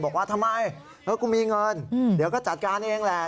บอกว่าทำไมกูมีเงินเดี๋ยวก็จัดการเองแหละ